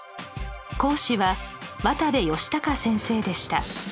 講師は渡部儀隆先生でした。